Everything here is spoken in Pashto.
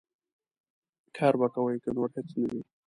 کار به کوې، که نور هېڅ نه وي.